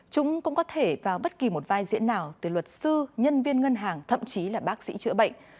chúng cũng có thể vào bất kỳ một vai diễn nào từ luật sư nhân viên ngân hàng thậm chí là bác sĩ chữa bệnh